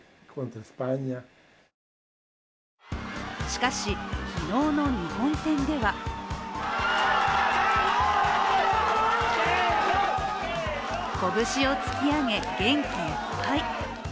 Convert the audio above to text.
しかし、昨日の日本戦では拳を突き上げ、元気いっぱい。